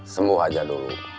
sembuh aja dulu